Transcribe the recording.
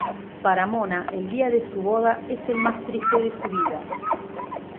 Para Mona, el día de su boda es el más triste de su vida.